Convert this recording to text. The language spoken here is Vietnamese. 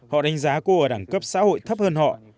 họ đánh giá cô ở đẳng cấp xã hội thấp hơn họ